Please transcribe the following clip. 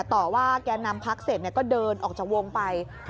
ต่อว่าแก่นำพักเสร็จก็เดินออกจากวงไป